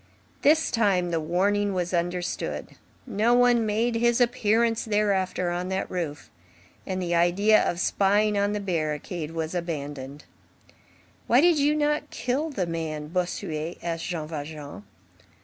This time the warning was understood. No one made his appearance thereafter on that roof; and the idea of spying on the barricade was abandoned. "Why did you not kill the man?" Bossuet asked Jean Valjean.